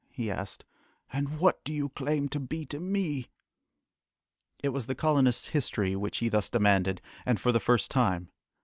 he asked, "and what do you claim to be to me?" It was the colonists' history which he thus demanded, and for the first time.